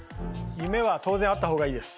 夢は当然あった方がいいです。